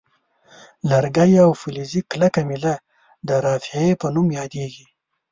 لرګی او یا فلزي کلکه میله د رافعې په نوم یادیږي.